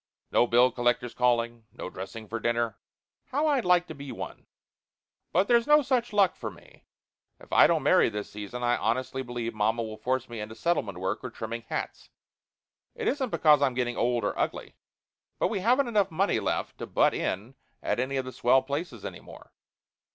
No bill collectors calling, no dressing for dinner how I'd like to be one! But there's no such luck for me. If I don't marry this season I honestly believe mamma will force me into settlement work or trimming hats. It isn't because I'm getting old or ugly; but we haven't enough money left to butt in at any of the swell places any more.